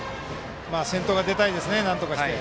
先頭が出たいですね、何とかして。